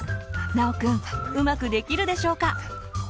尚くんうまくできるでしょうか？